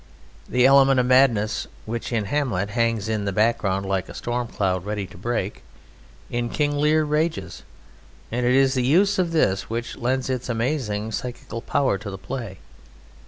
The element of madness, which in "Hamlet" hangs in the background like a storm cloud ready to break, in "King Lear" rages; and it is the use of this which lends its amazing psychical power to the play.